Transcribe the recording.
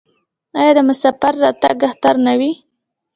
آیا د مسافر راتګ اختر نه وي؟